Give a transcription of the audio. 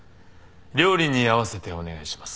料理に合わせてお願いします。